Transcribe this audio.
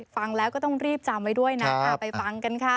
ฟังแล้วก็ต้องรีบจำไว้ด้วยนะไปฟังกันค่ะ